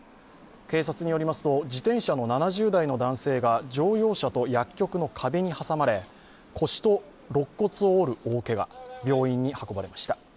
警察によりますと自転車の７０代の男性が乗用車と薬局の壁に挟まれ腰とろっ骨を折る大けが、病院に運ばれました。